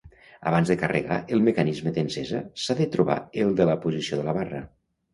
Abans de carregar, el mecanisme d'encesa s'ha de trobar el la posició de la barra.